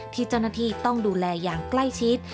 ที่เจ้าหน้าที่ต้องดูแลอย่างใกล้ชิด